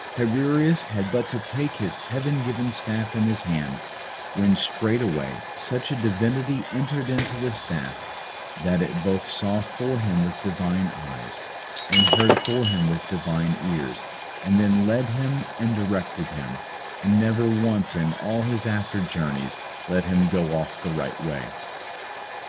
Tiresias had but to take his heaven given staff in his hand, when, straightway, such a divinity entered into the staff that it both saw for him with divine eyes, and heard for him with divine ears, and then led him and directed him, and never once in all his after journeys let him go off the right way.